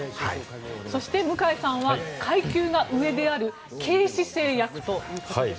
そして向井さんは階級が上である警視正役ということですね。